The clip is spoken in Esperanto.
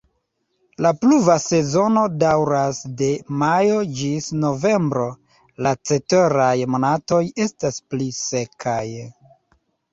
La pluva sezono daŭras de majo ĝis novembro, la ceteraj monatoj estas pli sekaj.